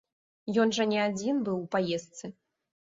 Ён жа не адзін быў у паездцы.